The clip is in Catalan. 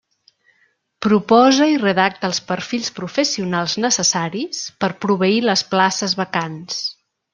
Proposa i redacta els perfils professionals necessaris per proveir les places vacants.